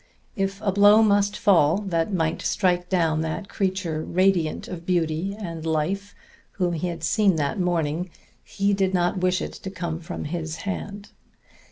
If a blow must fall that might strike down that creature radiant of beauty and life whom he had seen that morning, he did not wish it to come from his hand.